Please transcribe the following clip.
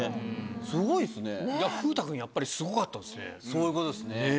そういうことですね。